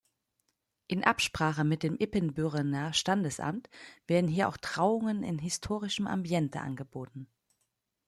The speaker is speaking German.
In Absprache mit dem Ibbenbürener Standesamt werden hier auch Trauungen in historischem Ambiente angeboten.